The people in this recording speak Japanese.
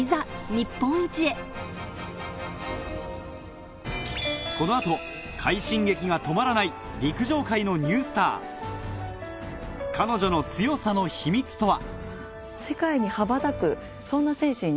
日本一へこの後快進撃が止まらない陸上界のニュースター彼女の強さの秘密とは？